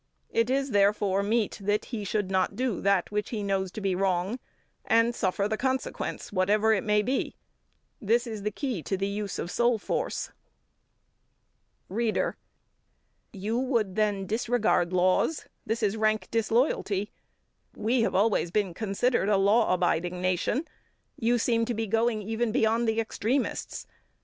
It is, therefore, meet that he should not do that which he knows to be wrong, and suffer the consequence whatever it may be. This is the key to the use of soul force. READER: You would then disregard laws this is rank disloyalty. We have always been considered a law abiding nation. You seem to be going even beyond the extremists.